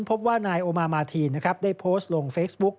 พบว่านายโอมามาทีนนะครับได้โพสต์ลงเฟซบุ๊ก